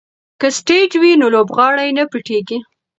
که سټیج وي نو لوبغاړی نه پټیږي.